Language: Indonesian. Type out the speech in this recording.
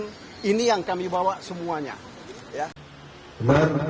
ini yang kami bawa semuanya